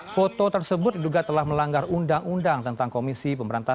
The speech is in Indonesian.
foto tersebut juga telah melanggar undang undang tentang komisinya